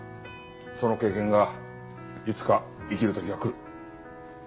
その経験がいつか生きる時が来る。